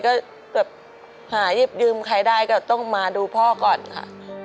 ก็แบบหาหยิบยืมใครได้ก็ต้องมาดูพ่อก่อนค่ะ